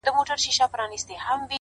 راځه د اوښکو تويول در زده کړم؛